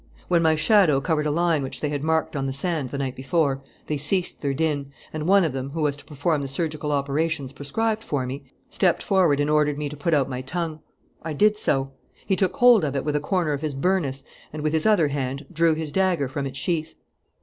"When my shadow covered a line which they had marked on the sand the night before, they ceased their din, and one of them, who was to perform the surgical operations prescribed for me, stepped forward and ordered me to put out my tongue. I did so. He took hold of it with a corner of his burnous and, with his other hand, drew his dagger from its sheath.